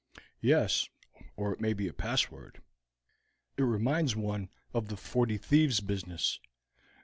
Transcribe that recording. "Yes, or it may be a password. It reminds one of the forty thieves business.